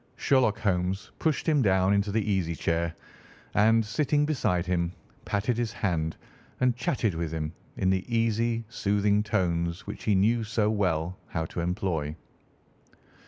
Sherlock Holmes pushed him down into the easy chair and, sitting beside him, patted his hand and chatted with him in the easy, soothing tones which he knew so well how to employ.